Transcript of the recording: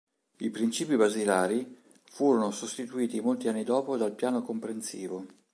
I "Principi basilari" furono sostituiti molti anni dopo dal Piano comprensivo.